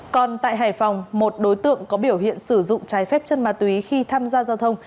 còn tại hải phòng một đối tượng có biểu hiện sử dụng trái phép chân ma túy khi tham gia giao thông